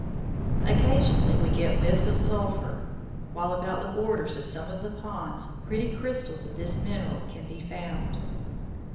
Occasionally we get whiffs of sulphur, while about the borders of some of the ponds pretty crystals of this mineral can be found.